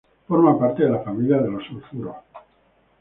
Forma parte de la familia de los sulfuros.